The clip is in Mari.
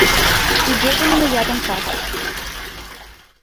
Туге гын, мыят ом кас...